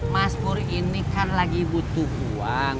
mas pur ini kan lagi butuh uang